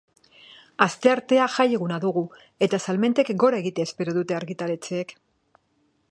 Asteartea jai eguna dugu, eta salmentek gora egitea espero dute argitaletxeek.